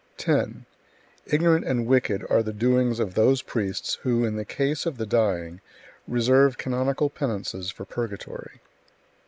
10. Ignorant and wicked are the doings of those priests who, in the case of the dying, reserve canonical penances for purgatory.